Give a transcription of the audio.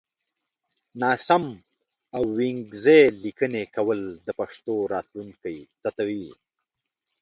ناسم او وينگيزې ليکنې کول د پښتو راتلونکی تتوي